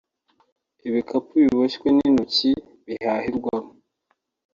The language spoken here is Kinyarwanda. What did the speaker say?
Ibikapu biboshywe n’intoki bihahirwamo